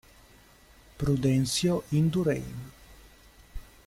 Prudencio Indurain